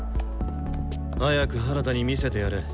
早く原田に見せてやれ。